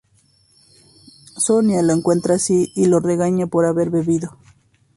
Sonia lo encuentra así y lo regaña por haber bebido.